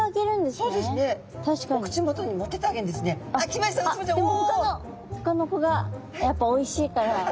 でもほかの子がやっぱおいしいから。